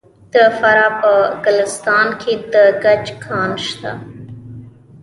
د فراه په ګلستان کې د ګچ کان شته.